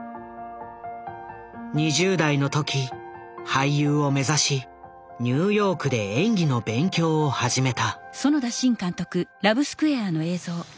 ２０代の時俳優を目指しニューヨークで演技の勉強を始めた。